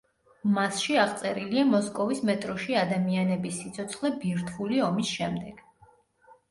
მასში აღწერილია მოსკოვის მეტროში ადამიანების სიცოცხლე ბირთვული ომის შემდეგ.